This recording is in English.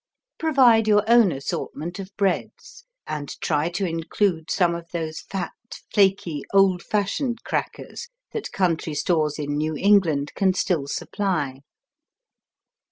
Provide your own assortment of breads and try to include some of those fat, flaky old fashioned crackers that country stores in New England can still supply.